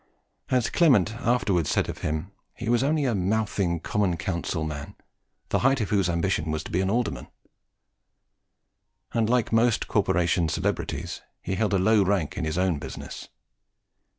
As Clement afterwards said of him, "He was only a mouthing common council man, the height of whose ambition was to be an alderman;" and, like most corporation celebrities, he held a low rank in his own business.